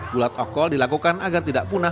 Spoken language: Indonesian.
gulat okol dilakukan agar tidak tersusah